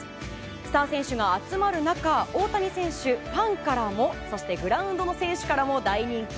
スター選手が集まる中大谷選手、ファンからもそしてグラウンドの選手からも大人気。